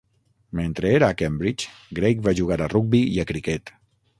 Mentre era a Cambridge, Greig va jugar a rugbi i a criquet.